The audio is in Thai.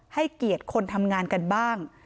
ให้เกียรติคนทำงานกันบ้าง